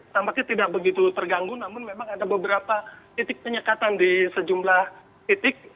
tampaknya tidak begitu terganggu namun memang ada beberapa titik penyekatan di sejumlah titik